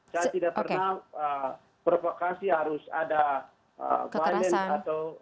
saya tidak pernah provokasi harus ada keterasan atau serupanya